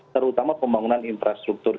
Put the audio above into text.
terutama pembangunan infrastruktur ikn